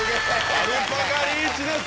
アルパカリーチです！